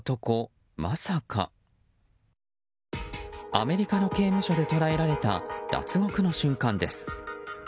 アメリカの刑務所で捉えられた脱獄の瞬間です。